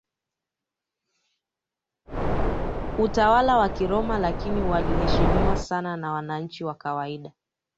utawala wa Kiroma Lakini waliheshimiwa sana na wananchi wa kawaida